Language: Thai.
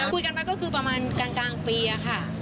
คุยกันมาก็คือประมาณกลางปีค่ะ